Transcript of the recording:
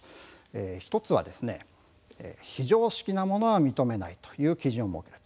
１つは非常識なものは認めないという基準を設けること。